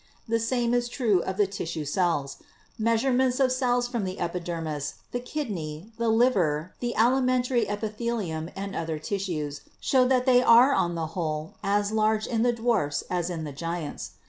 The same is true of the tissue cells. Measurements of cells from the epidermis, the kidney, the liver, the alimentary epithelium and other tissues show that they are on the whole as large in the dwarfs as in the giants.